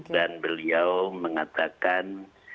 dan beliau mengatakan